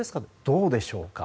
どうでしょうか。